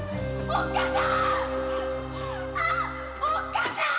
おっ母さん！